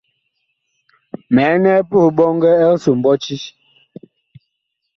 Mi ɛnɛɛ puh ɓɔngɛ ɛg so mɓɔti.